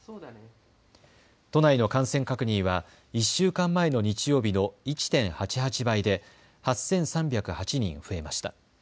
都内の感染確認は１週間前の日曜日の１．８８倍で８３０８人増えました。